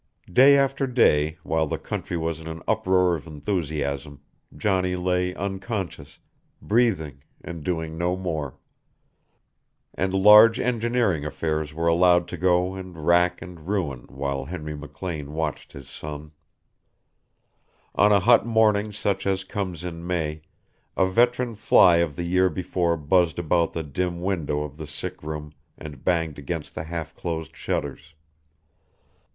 Day after day, while the country was in an uproar of enthusiasm, Johnny lay unconscious, breathing, and doing no more. And large engineering affairs were allowed to go and rack and ruin while Henry McLean watched his son. On a hot morning such as comes in May, a veteran fly of the year before buzzed about the dim window of the sick room and banged against the half closed shutters.